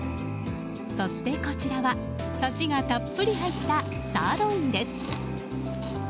そして、こちらはサシがたっぷり入ったサーロインです。